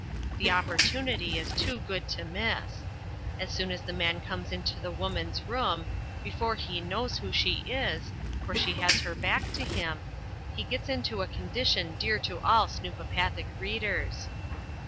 The opportunity is too good to miss. As soon as The Man comes into The Woman's room before he knows who she is, for she has her back to him he gets into a condition dear to all snoopopathic readers.